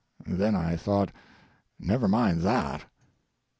Then I thought, "Never mind that."